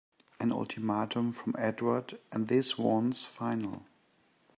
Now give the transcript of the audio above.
An ultimatum from Edward and this one's final!